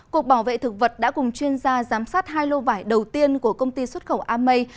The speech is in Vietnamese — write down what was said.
cục bảo vệ thực vật đã cùng chuyên gia giám sát hai lô vải đầu tiên của công ty xuất khẩu amei